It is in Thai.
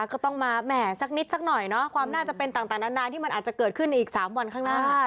ก็ต้องมาแหม่สักนิดสักหน่อยเนาะความน่าจะเป็นต่างนานที่มันอาจจะเกิดขึ้นในอีก๓วันข้างหน้า